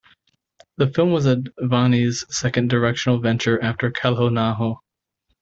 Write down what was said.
The film was Advani's second directorial venture after "Kal Ho Naa Ho".